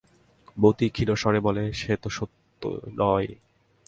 মতি ক্ষীণস্বরে বলে, সে তো সত্যি নয়।